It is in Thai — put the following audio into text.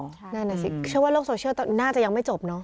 นั่นน่ะสิเชื่อว่าโลกโซเชียลน่าจะยังไม่จบเนอะ